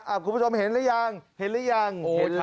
อ่ะคุณผู้ชมเห็นแล้วยังเห็นแล้วยัง